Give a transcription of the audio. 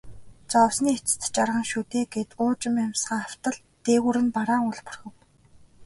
Зовсны эцэст жаргана шүү дээ гээд уужим амьсгаа автал дээгүүр нь бараан үүл бүрхэв.